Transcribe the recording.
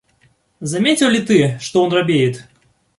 Заметил ли ты, что он робеет?